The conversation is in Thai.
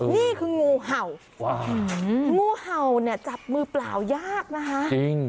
นี่คืองูเห่างูเห่าเนี่ยจับมือเปล่ายากนะคะจริง